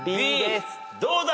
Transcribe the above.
どうだ？